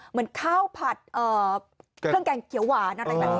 เหมือนข้าวผัดเครื่องแกงเขียวหวานอะไรแบบนี้